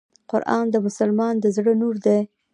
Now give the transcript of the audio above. قرآن د مسلمان د زړه نور دی .